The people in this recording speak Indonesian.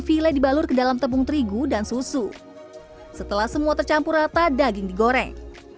file dibalur ke dalam tepung terigu dan susu setelah semua tercampur rata daging digoreng